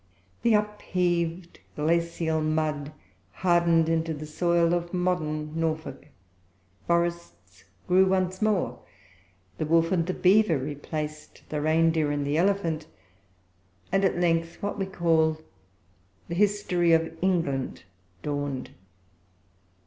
The upheaved glacial mud hardened into the soil of modern Norfolk. Forests grew once more, the wolf and the beaver replaced the reindeer and the elephant; and at length what we call the history of England dawned.